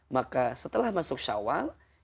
maka setelah masuk syawal